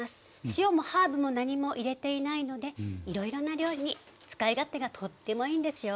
塩もハーブも何も入れていないのでいろいろな料理に使い勝手がとってもいいんですよ。